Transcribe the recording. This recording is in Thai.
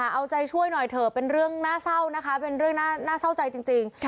เอาใจช่วยหน่อยเถอะเป็นเรื่องน่าเศร้านะคะเป็นเรื่องน่าเศร้าใจจริง